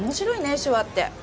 手話って。